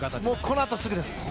このあとすぐです。